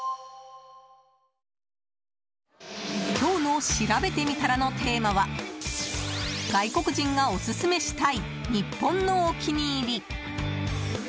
今日のしらべてみたらのテーマは外国人がオススメしたい日本のお気に入り。